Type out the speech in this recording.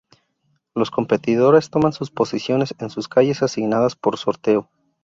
Los competidores toman sus posiciones en sus calles asignadas por sorteo.